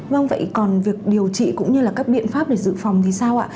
vâng vậy còn việc điều trị cũng như là các biện pháp để dự phòng thì sao ạ